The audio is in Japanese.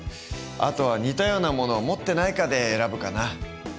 あとは似たようなものを持ってないかで選ぶかな。